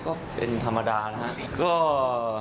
ก็เป็นธรรมดานะครับ